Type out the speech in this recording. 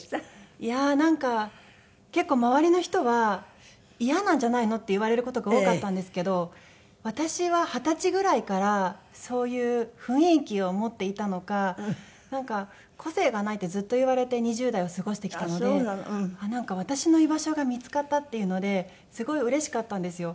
いやなんか結構周りの人は「イヤなんじゃないの？」って言われる事が多かったんですけど私は二十歳ぐらいからそういう雰囲気を持っていたのかなんか「個性がない」ってずっと言われて２０代を過ごしてきたのでなんか私の居場所が見付かったっていうのですごいうれしかったんですよ。